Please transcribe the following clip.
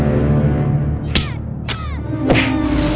banyak sekali banyak